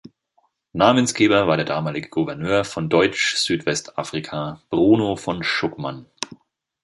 Namensgeber war der damalige Gouverneur von Deutsch-Südwestafrika, Bruno von Schuckmann.